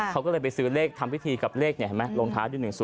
เขาก็เลยไปซื้อเลขทำพิธีกับเลขเนี่ยเห็นไหมลงท้ายด้วย๑๐